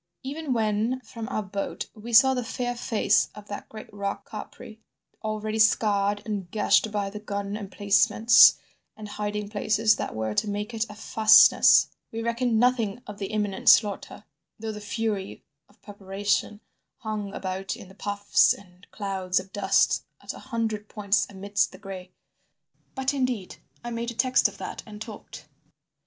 . "Even when from our boat we saw the fair face of that great rock Capri—already scarred and gashed by the gun emplacements and hiding places that were to make it a fastness—we reckoned nothing of the imminent slaughter, though the fury of preparation hung about in the puffs and clouds of dust at a hundred points amidst the gray; but, indeed, I made a text of that and talked.